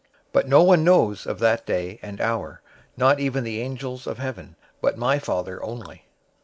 024:036 But no one knows of that day and hour, not even the angels of heaven, but my Father only.